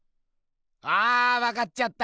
あわかっちゃった。